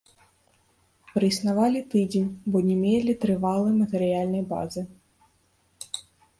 Праіснавалі тыдзень, бо не мелі трывалай матэрыяльнай базы.